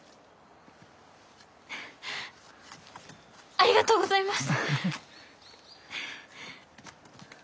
ありがとうございます！